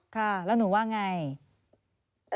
ค่ะแล้วหนูว่าอย่างไร